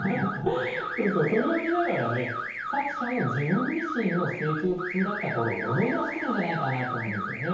それを見ながらね作者も自分自身の成長痛だった頃を思い出してるんじゃないかなと思うんですよね。